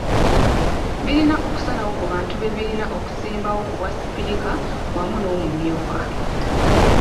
Birina okusalawo ku bantu be birina okusimbawo ku bwasipiika wamu n'omumyuka